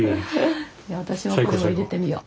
私もこれを入れてみよう。